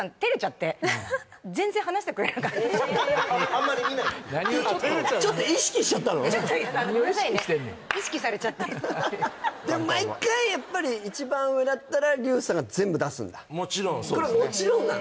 ホントにあんまり見ないのあのごめんなさいねでも毎回やっぱり一番上だったら竜さんが全部出すんだこれはもちろんなの？